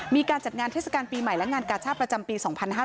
มีการจัดงานเทศกาลปีใหม่และงานกาชาติประจำปี๒๕๕๙